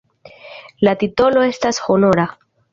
La titolo estas honora.